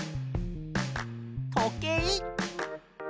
とけい。